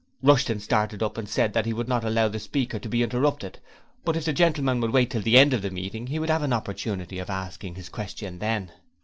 Rushton started up and said that he could not allow the speaker to be interrupted, but if the gentleman would wait till the end of the meeting, he would have an opportunity of asking his question then.